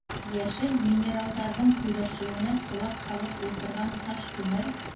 Йәшел минералдарҙың һөйләшеүенә ҡолаҡ һалып ултырған Таш-күмер: